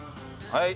はい！